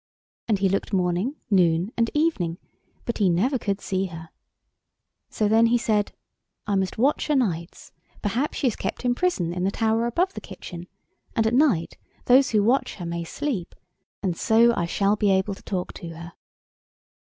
And he looked morning, noon, and evening, but he never could see her. So then he said— "I must watch o' nights—perhaps she is kept in prison in the tower above the kitchen, and at night those who watch her may sleep, and so I shall be able to talk to her."